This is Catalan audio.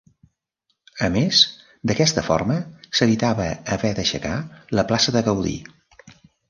A més, d'aquesta forma s'evitava haver d'aixecar la plaça de Gaudí.